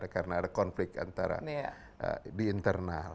karena ada konflik antara di internal